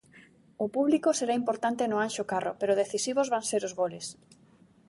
O público será importante no Anxo Carro, pero decisivos van ser os goles.